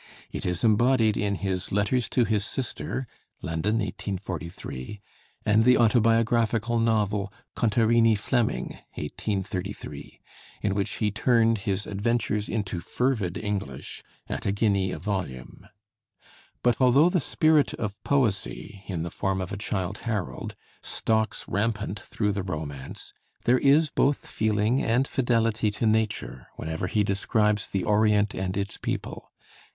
It is embodied in his 'Letters to His Sister' (London, 1843), and the autobiographical novel 'Contarini Fleming' (1833), in which he turned his adventures into fervid English, at a guinea a volume. But although the spirit of poesy, in the form of a Childe Harold, stalks rampant through the romance, there is both feeling and fidelity to nature whenever he describes the Orient and its people.